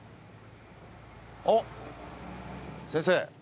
あっ先生。